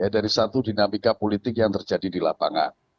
dari satu dinamika politik yang terjadi di lapangan